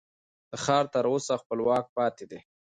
دا ښار تر اوسه خپلواک پاتې دی.